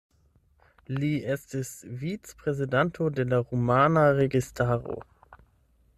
Li estis vicprezidanto de la rumana registaro.